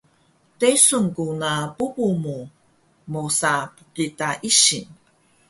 Desun ku na bubu mu mosa pqita ising